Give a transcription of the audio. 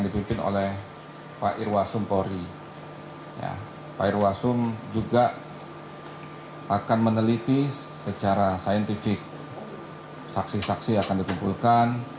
travelax teil was einpopiair wasung juga akan meneliti secara sain tim arch six teacher stifle kan